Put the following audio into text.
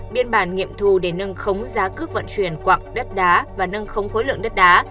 biên bản nghiệm thu để nâng khống giá cước vận chuyển quặng đất đá và nâng khống khối lượng đất đá